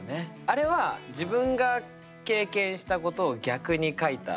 あれは自分が経験したことを逆に書いた。